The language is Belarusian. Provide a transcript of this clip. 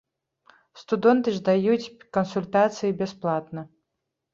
Студэнты ж даюць кансультацыі бясплатна.